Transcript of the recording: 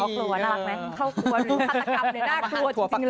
เข้ากลัวรู้ธรรมกับเนี่ยหน้ากลัวจริงเลย